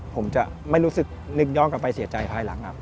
ผมจะไม่รู้สึกนึกย้อนกลับไปเสียใจภายหลังครับ